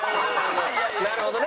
なるほどね。